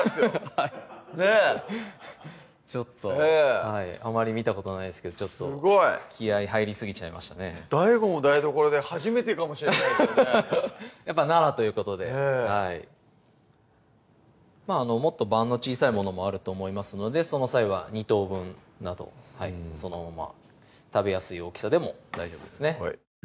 はいちょっとはいあまり見たことないですけどちょっとすごい気合入りすぎちゃいましたねＤＡＩＧＯも台所で初めてかもしれなやっぱ奈良ということでねぇもっと判の小さいものもあると思いますのでその際は２等分などそのまま食べやすい大きさでも大丈夫ですね